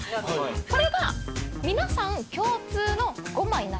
これが皆さん共通の５枚になってます。